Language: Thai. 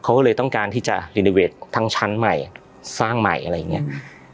เขาก็เลยต้องการที่จะรีโนเวททั้งชั้นใหม่สร้างใหม่อะไรอย่างเงี้อืม